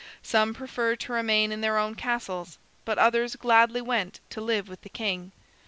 Some preferred to remain in their own castles, but others gladly went to live with the king.